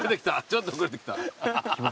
ちょっと遅れてきた。